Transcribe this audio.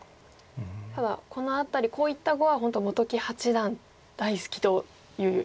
ただこの辺りこういった碁は本当本木八段大好きという印象がありますけど。